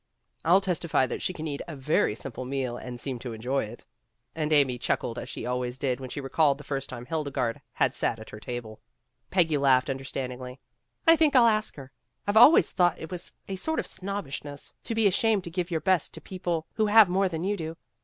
"I'll testify that she can eat a very simple meal and seem to enjoy it." And Amy chuc kled as she always did when she recalled the first time Hildegarde had sat at her table. Peggy laughed understandingly. "I think I'll ask her. I've always thought it was a sort of snobbishness to be ashamed to give your best to people who have more than you do.